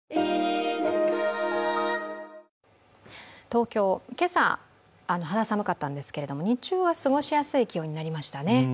東京、今朝、肌寒かったんですけれども日中は過ごしやすい気温になりましたね。